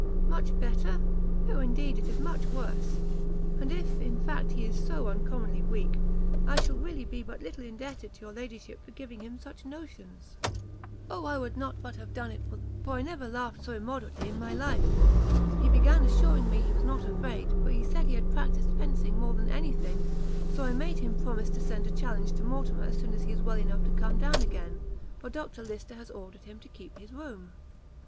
"Much better? No, indeed, it is much worse! and if, in fact, he is so uncommonly weak, I shall really be but little indebted to your ladyship for giving him such notions." "O I would not but have done it for the world! for I never laughed so immoderately in my life. He began assuring me he was not afraid, for he said he had practised fencing more than any thing; so I made him promise to send a challenge to Mortimer as soon as he is well enough to come down again; for Dr Lyster has ordered him to keep his room."